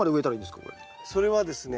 それはですね